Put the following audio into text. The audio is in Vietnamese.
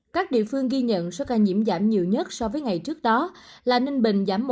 các địa phương ghi nhận số ca nhiễm giảm nhiều nhất so với ngày trước đó là ninh bình giảm một ba trăm linh